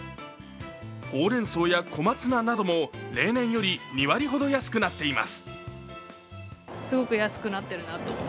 ほうれんそうや小松菜なども例年より２割ほど安くなっています